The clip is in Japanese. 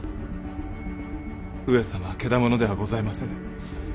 上様はけだものではございませぬ。